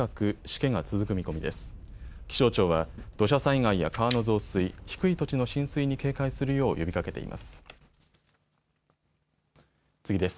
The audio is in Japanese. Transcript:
気象庁は土砂災害や川の増水、低い土地の浸水に警戒するよう呼びかけています。